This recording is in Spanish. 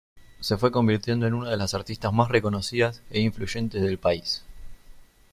Se fue convirtiendo en una de las artistas más reconocidas e influyentes del país.